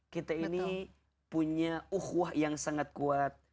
kita ini punya uhwah yang sangat kuat